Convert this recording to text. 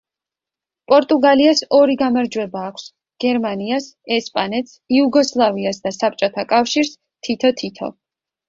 პორტუგალიას ორი გამარჯვება აქვს, გერმანიას, ესპანეთს, იუგოსლავიას და საბჭოთა კავშირს თითო-თითო.